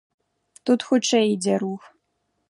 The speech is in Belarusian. Тут хутчэй ідзе рух.